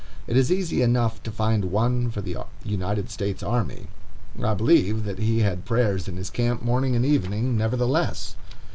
It is easy enough to find one for the United States army. I believe that he had prayers in his camp morning and evening, nevertheless.